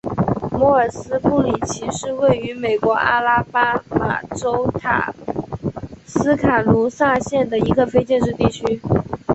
摩尔斯布里奇是位于美国阿拉巴马州塔斯卡卢萨县的一个非建制地区。